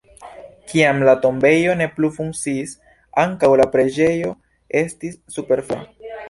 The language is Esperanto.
Kiam la tombejo ne plu funkciis, ankaŭ la preĝejo estis superflua.